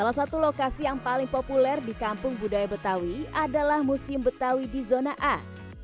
salah satu lokasi yang paling populer di kampung budaya betawi adalah museum betawi di zona a